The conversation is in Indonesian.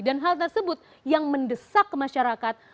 dan hal tersebut yang mendesak masyarakat